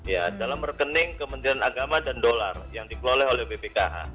ya dalam rekening kementerian agama dan dolar yang dikelola oleh bpkh